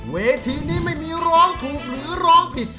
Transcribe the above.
เวทีนี้ไม่มีร้องถูกหรือร้องผิด